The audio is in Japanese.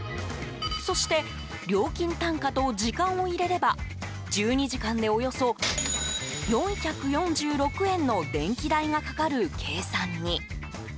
そして料金単価と時間を入れれば１２時間でおよそ４４６円の電気代がかかる計算に。